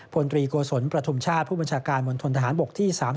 พลตรีโกศลประทุมชาติผู้บัญชาการมณฑนทหารบกที่๓๐